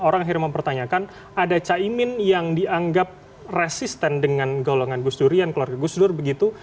orang akhirnya mempertanyakan ada caimin yang dianggap resisten dengan golongan gusdurian keluarga gusdur begitu